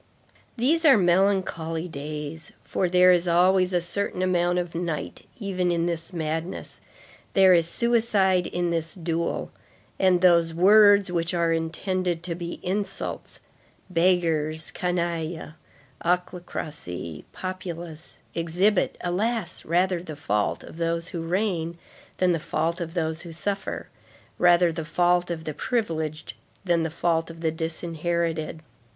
These are melancholy days; for there is always a certain amount of night even in this madness, there is suicide in this duel, and those words which are intended to be insults—beggars, canaille, ochlocracy, populace—exhibit, alas! rather the fault of those who reign than the fault of those who suffer; rather the fault of the privileged than the fault of the disinherited.